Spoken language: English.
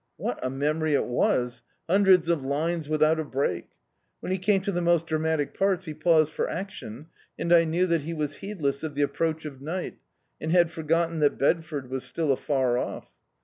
What a memory it was ! Hundreds of lines without a hnak. When he came to the most dra matic parts he paused for action, and I knew that he was heedless of the approach of night, and had forgotten that Bedford was still afar off.